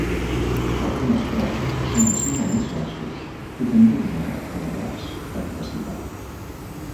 Algunes però són de cinc o més versos i també n'hi ha amb vers pentasíl·lab.